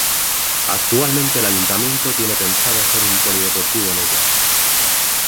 Actualmente el Ayuntamiento tiene pensado hacer un polideportivo en ella.